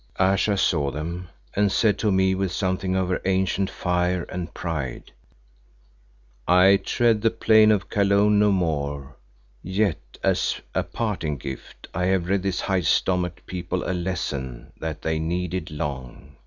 Ayesha saw them, and said to me with something of her ancient fire and pride "I tread the plain of Kaloon no more, yet as a parting gift have I read this high stomached people a lesson that they needed long.